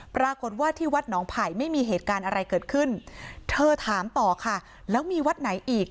ปรากฏว่าที่วัดหนองไผ่ไม่มีเหตุการณ์อะไรเกิดขึ้นเธอถามต่อค่ะแล้วมีวัดไหนอีก